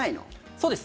そうです。